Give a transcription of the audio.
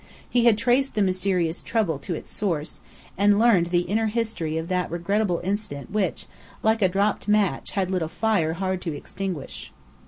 He had traced the mysterious "trouble" to its source, and learned the inner history of that regrettable incident which, like a dropped match, had lit a fire hard to extinguish.